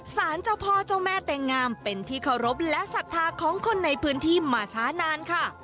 สารเจ้าพ่อเจ้าแม่เต็งงามเป็นที่เคารพและศรัทธาของคนในพื้นที่มาช้านานค่ะ